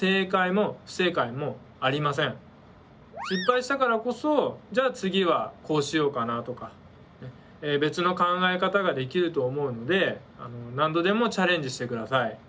失敗したからこそじゃあ次はこうしようかなとか別の考え方ができると思うので何度でもチャレンジしてください。